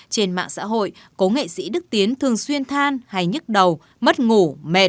trên mạng xã hội cố nghệ sĩ đức tiến thường xuyên than hay nhức đầu mất ngủ mệt